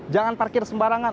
jangan parkir sembarangan